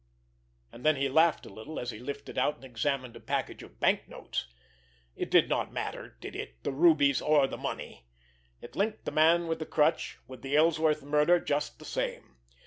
And then he laughed a little, as he lifted out and examined a package of banknotes. It did not matter, did it—the rubies or the money! It linked the Man with the Crutch with the Ellsworth murder just the same.